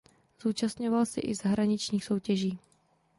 Zúčastňoval se i zahraničních soutěží.